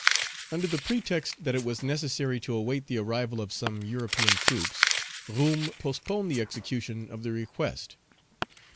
Under the pretext that it was necessary to await the arrival of some European troops, Roume postponed the execution of the request.